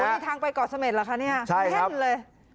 มีทางไปเกาะเสม็ดเหรอคะเนี่ยแน่นเลย